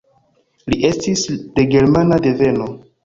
Li estis de germana deveno.